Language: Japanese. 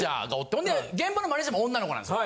ほんで現場のマネジャーも女の子なんですよ。